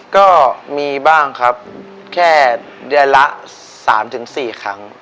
ก็มีบ้างครับแค่เดือนละ๓๔ครั้ง